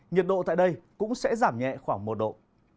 nhiệt độ tại đây cũng sẽ giảm nhẹ khoảng một độ